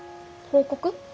報告？